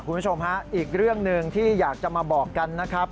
คุณผู้ชมฮะอีกเรื่องหนึ่งที่อยากจะมาบอกกันนะครับ